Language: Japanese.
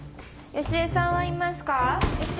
芳恵さんはいますか？